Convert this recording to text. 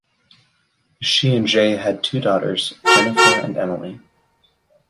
She and Jay had two daughters, Jennifer and Emily.